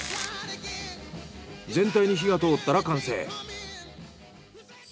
全体に火が通ったら完成。